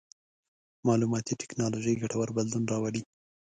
مالوماتي ټکنالوژي ګټور بدلون راولي.